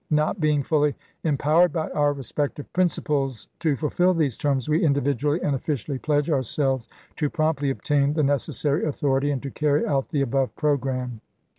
"Not being fully empowered by our respective principals to fulfill these terms, we individually and officially pledge ourselves to promptly obtain the necessary authority, and to carry out the above programme."